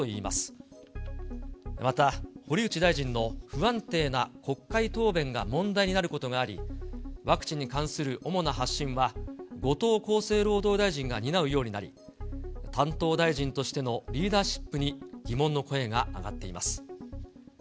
また堀内大臣の不安定な国会答弁が問題になることがあり、ワクチンに関する主な発信は後藤厚生労働大臣が担うようになり、担当大臣としてのリーダーシップに疑問の声が上がっています。